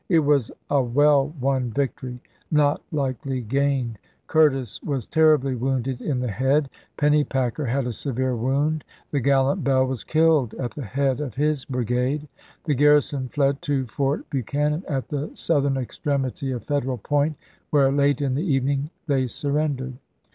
It was a well won victory, not lightly gained. Curtis was terribly wounded in the head ; Pennypacker had a severe wound, the gallant Bell was killed at the head of his brigade. The garrison fled to Fort Buchanan at the southern extremity of Federal Point, where late in the even ing they surrendered.